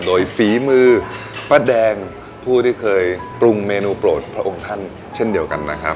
โดยฝีมือป้าแดงผู้ที่เคยปรุงเมนูโปรดพระองค์ท่านเช่นเดียวกันนะครับ